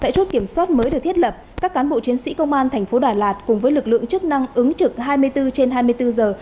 tại chốt kiểm soát mới được thiết lập các cán bộ chiến sĩ công an thành phố đà lạt cùng với lực lượng chức năng ứng trực hai mươi bốn trên hai mươi bốn giờ